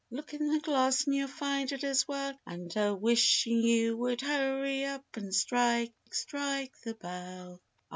Look in the glass and you'll find it as well, And a wishing you would hurry up and strike, strike the bell!